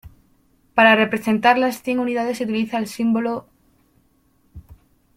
Para representar las cien unidades, se utiliza el símbolo 仙.